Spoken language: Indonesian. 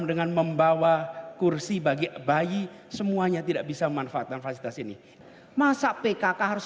dengan membawa kursi bagi bayi semuanya tidak bisa memanfaatkan fasilitas ini masa pkk harus